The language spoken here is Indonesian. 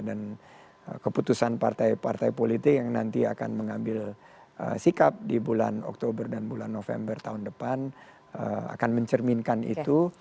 dan keputusan partai partai politik yang nanti akan mengambil sikap di bulan oktober dan bulan november tahun depan akan mencerminkan itu